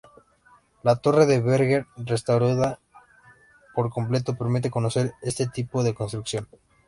La "torre de Verger", restaurada por completo, permite conocer este tipo de construcción.